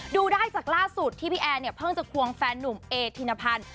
ดูได้จากล่าสุดที่พี่แอร์เนี่ยเพิ่งจะควงแฟนนุ่มเอธินพันธ์